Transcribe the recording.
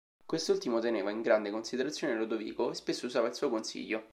Quest'ultimo teneva in grande considerazione Lodovico e spesso usava il suo consiglio.